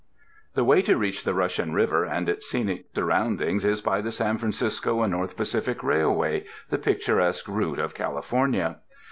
]The way to reach the Russian River and its scenic surroundings is by the SAN FRANCISCO AND NORTH PACIFIC RAILWAY, the Picturesque Route of California.